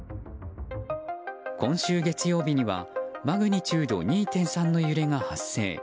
今週月曜日にはマグニチュード２．３の揺れが発生。